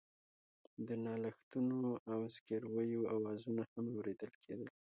د نالښتونو او زګيرويو آوازونه هم اورېدل کېدل.